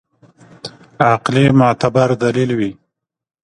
عقلي معتبر دلیل وي.